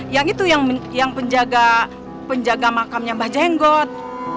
yang itu yang penjaga makamnya mbah jenggot